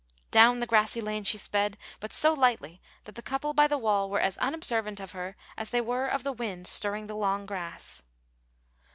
Down the grassy lane she sped, but so lightly that the couple by the wall were as unobservant of her as they were of the wind stirring the long grass.